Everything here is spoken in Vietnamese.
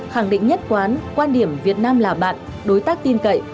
khẳng định nhất quán quan điểm việt nam là bạn đối tác tin cậy